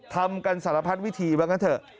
ทำกันสารพัดวิธีว่างั้นเถอะ